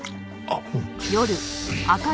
あっ。